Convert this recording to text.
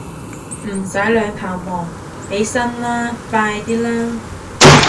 唔使兩頭望，起身啦，快啲啦